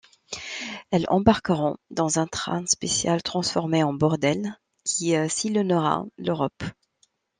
Elles embarqueront dans un train spécial transformé en bordel qui sillonnera l'Europe.